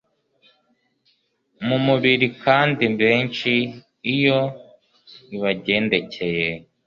mu mubiri kandi benshi iyo bibagendekeye